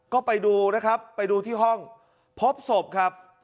ก็ไปดูนะครับไปดูที่ห้องพบศพครับ